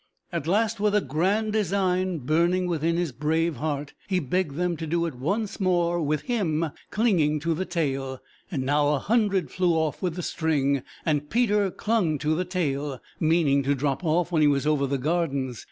At last, with a grand design burning within his brave heart, he begged them to do it once more with him clinging to the tail, and now a hundred flew off with the string, and Peter clung to the tail, meaning to drop off when he was over the Gardens.